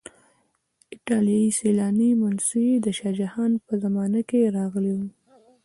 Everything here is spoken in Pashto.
ایټالیایی سیلانی منوسي د شاه جهان په زمانه کې راغلی و.